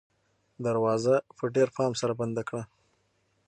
دروازه په ډېر پام سره بنده کړه.